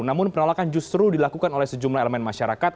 namun penolakan justru dilakukan oleh sejumlah elemen masyarakat